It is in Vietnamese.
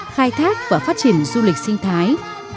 khai thác và phát triển du lịch sinh thái